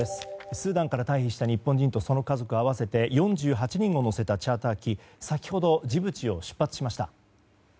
スーダンから退避した日本人とその家族合わせて４８人を乗せたチャーター機が先ほどジブチを出発しました。